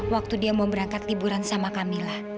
waktu dia mau berangkat tiburan sama camilla